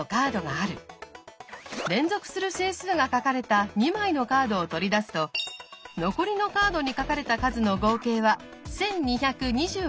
連続する整数が書かれた２枚のカードを取り出すと残りのカードに書かれた数の合計は１，２２４になる。